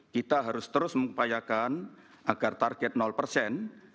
kita harus terus mengupayakan agar target persen